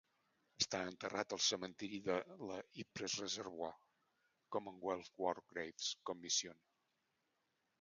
Està enterrat al cementiri de la Ypres Reservoir Commonwealth War Graves Commission.